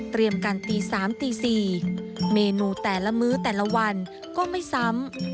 กันตี๓ตี๔เมนูแต่ละมื้อแต่ละวันก็ไม่ซ้ำ